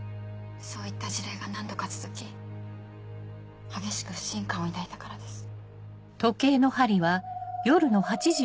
そういった事例が何度か続き激しく不信感を抱いたからです。